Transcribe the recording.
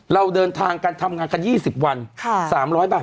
เราเดินทางกันทำงานกัน๒๐วัน๓๐๐บาท